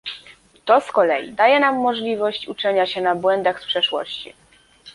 To z kolei daje nam możliwość uczenia się na błędach z przeszłości